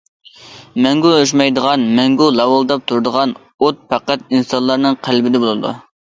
مەڭگۈ ئۆچمەيدىغان، مەڭگۈ لاۋۇلداپ تۇرىدىغان ئوت پەقەت ئىنسانلارنىڭ قەلبىدە بولىدۇ.